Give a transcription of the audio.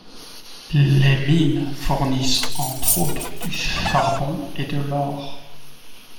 Les mines fournissent entre autres du charbon et de l'or.